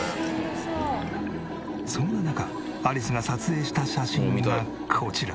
そんな中アリスが撮影した写真がこちら。